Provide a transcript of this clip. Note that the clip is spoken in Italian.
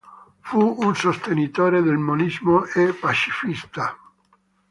Fu un sostenitore del Monismo e pacifista.